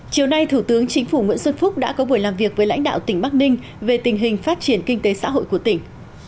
chiều nay thủ tướng chính phủ nguyễn xuân phúc đã có buổi làm việc với lãnh đạo tỉnh bắc ninh về tình hình phát triển kinh tế xã hội của tỉnh